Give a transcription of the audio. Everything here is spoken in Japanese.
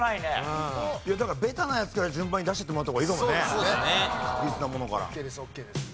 だからベタなやつから順番に出していってもらった方がいいかもね。